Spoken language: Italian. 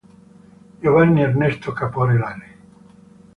Giovanni Ernesto Caporali